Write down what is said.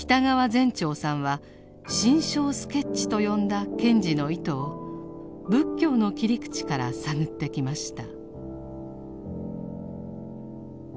前肇さんは「心象スケッチ」と呼んだ賢治の意図を仏教の切り口から探ってきました。